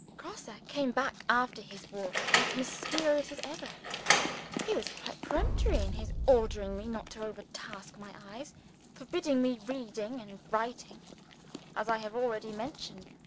Grosse came back after his walk as mysterious as ever. He was quite peremptory in ordering me not to overtask my eyes forbidding reading and writing, as I have already mentioned.